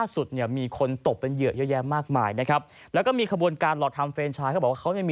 สำคัญครับคุณครอบครับ